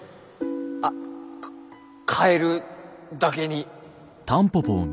あっカエルだけに。